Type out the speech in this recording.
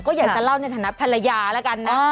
ก็อยากจะเล่าในฐานะภรรยาแล้วกันนะ